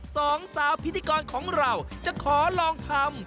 สองสาวพิธีกรของเราจะขอลองทำ